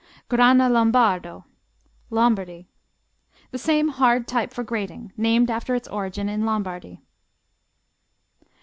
Grana Lombardo Lombardy The same hard type for grating, named after its origin in Lombardy.